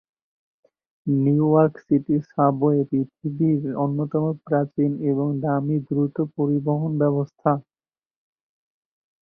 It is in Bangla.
নিউ ইয়র্ক সিটি সাবওয়ে পৃথিবীড় অন্যতম প্রাচীন এবং দামী দ্রুত পরিবহন ব্যবস্থা।